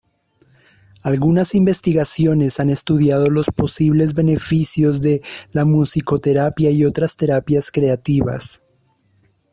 Algunas investigaciones han estudiado los posibles beneficios de la musicoterapia y otras terapias creativas.